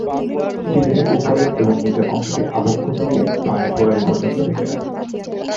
এটি দেহের উপরের এবং নীচের অংশটি আবক্ষ থেকে পায়ের গোড়ালি পর্যন্ত ঢেকে রাখে।